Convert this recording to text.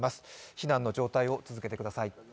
避難の状態を続けてください。